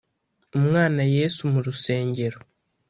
umwana yesu mu rusengero